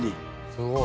すごい。